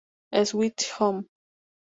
Sweet Home!".